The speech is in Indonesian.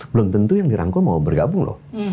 belum tentu yang dirangkul mau bergabung loh